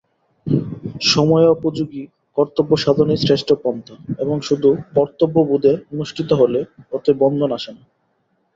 সময়োপযোগী কর্তব্যসাধনই শ্রেষ্ঠ পন্থা এবং শুধু কর্তব্যবোধে অনুষ্ঠিত হলে ওতে বন্ধন আসে না।